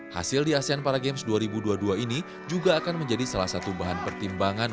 hasil di asean para games dua ribu dua puluh dua ini juga akan menjadi salah satu bahan pertimbangan